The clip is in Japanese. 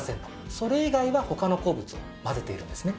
それ以外は他の鉱物を混ぜているんですね。